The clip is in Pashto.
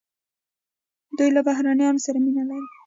دوی له بهرنیانو سره مینه لري.